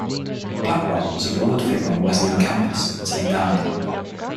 Blackwell was a beloved figure on the Wesleyan Campus until he died.